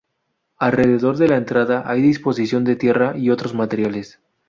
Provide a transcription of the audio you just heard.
Alrededor de la entrada hay deposición de tierra y otros materiales.